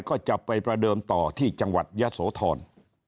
ก็จะไปประเดิมต่อที่จังหวัดยะโสธร